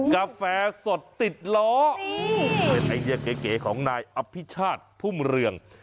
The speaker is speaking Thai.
กาแฟสดติดล้อเป็นไอเดียเก๋ของนายอภิชาติพุ่มเรือง